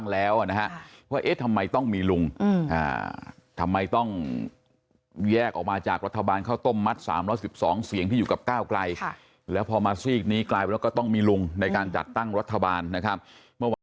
และพอมาซีกนี้กลายแล้วก็ต้องมีลุงในการจัดตั้งรัฐบาลนะครับ